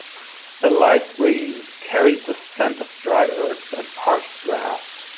A light breeze carried the scent of dry earth and parched grass.